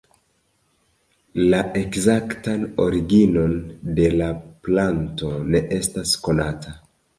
La ekzaktan originon de la planto ne estas konata.